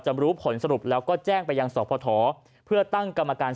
รู้ผลสรุปแล้วก็แจ้งไปยังสพเพื่อตั้งกรรมการ